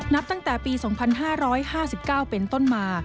นับตั้งแต่ปี๒๕๕๙เป็นต้นมา